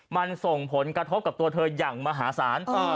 มันส่งผลกระทบกับตัวเธออย่างมหาศาล